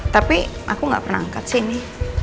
tapi aku gak pernah angkat sih ini